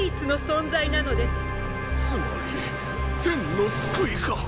つまり天の救いか！